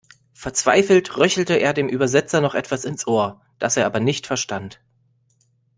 Verzweifelt röchelte er dem Übersetzer noch etwas ins Ohr, das er aber nicht verstand.